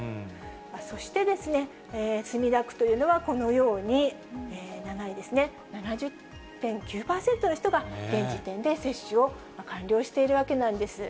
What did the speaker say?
そして、墨田区というのはこのように、７位ですね、７０．９％の人が現時点で接種を完了しているわけなんです。